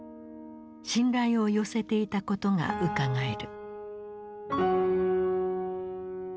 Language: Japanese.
信頼を寄せていたことがうかがえる。